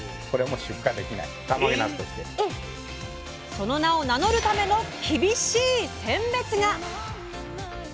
その名を名乗るための厳しい選別が！